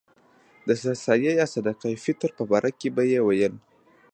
د سر سایې یا صدقه فطر په باره کې به یې ویل.